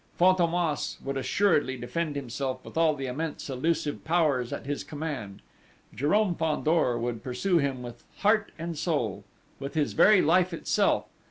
Fantômas would assuredly defend himself with all the immense elusive powers at his command: Jérôme Fandor would pursue him with heart and soul, with his very life itself!